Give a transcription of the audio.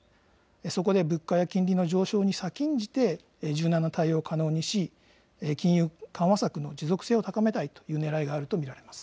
そこで物価や金利の上昇に先んじて柔軟な対応を可能にし、金融緩和策の持続性を高めたいというね